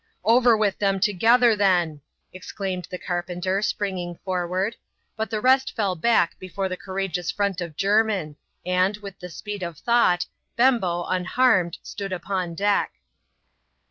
" Over with them together, then," exclaimed the carpenter, springing forward ; but the rest fell back before the courageous front of Jermin, and, with the speed of thought, Bembo, un harmed, stood upon deck.